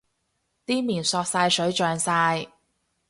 啲麵索晒水脹晒